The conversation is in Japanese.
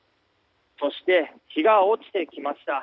そして日が落ちてきました。